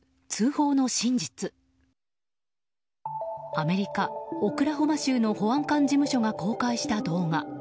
アメリカ・オクラホマ州の保安官事務所が公開した動画。